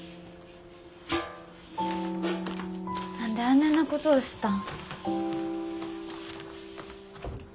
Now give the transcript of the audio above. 何であねえなことをしたん？